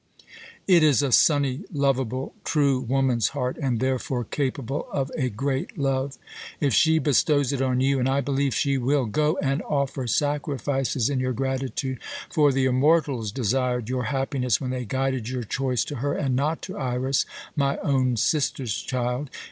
It is a sunny, lovable, true woman's heart, and therefore capable of a great love. If she bestows it on you and I believe she will go and offer sacrifices in your gratitude; for the immortals desired your happiness when they guided your choice to her and not to Iras, my own sister's child.